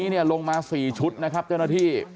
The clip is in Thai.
พ่อขออนุญาต